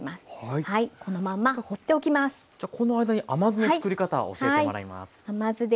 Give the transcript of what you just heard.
じゃこの間に甘酢の作り方を教えてもらいます。